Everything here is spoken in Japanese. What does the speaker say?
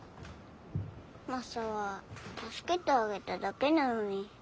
マサは助けてあげただけなのに。